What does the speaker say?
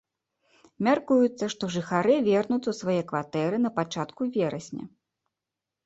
Мяркуецца, што жыхары вернуцца ў свае кватэры на пачатку верасня.